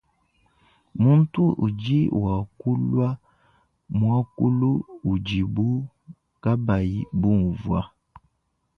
Muntu udi wakuala muakulu udibu kabayi bunvua.